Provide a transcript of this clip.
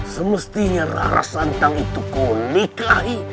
semestinya rara santang itu kau nikahi